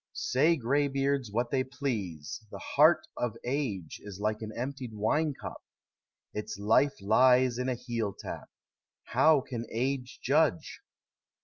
Say gray beards what they please, The heart of age is like an emptied wine cup; Its life lies in a heel tap: how can age judge?